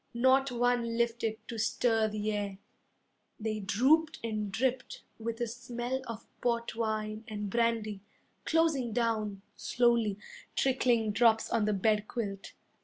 Not one lifted to stir the air. They drooped and dripped With a smell of port wine and brandy, Closing down, slowly, Trickling drops on the bed quilt.